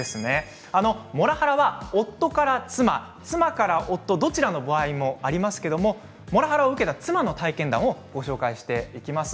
モラハラは夫から妻、妻から夫どちらの場合もありますがモラハラを受けた妻の体験談をご紹介していきます。